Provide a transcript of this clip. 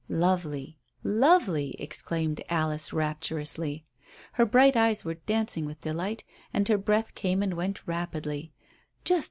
"Lovely lovely," exclaimed Alice rapturously. Her bright eyes were dancing with delight, and her breath came and went rapidly.